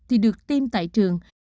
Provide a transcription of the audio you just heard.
thì được tiêm tại trường